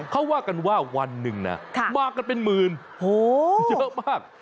เขาว่ากันว่าวันหนึ่งนะมากันเป็นหมื่นเยอะมาก